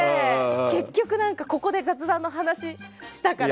結局、ここで雑談の話をしたから。